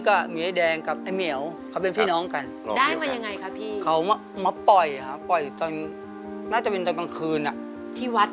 เขามาปล่อยค่ะปล่อยตอนน่าจะเป็นต้นกลางคืนอ่ะ